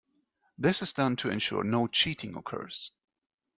This is done to ensure no cheating occurs.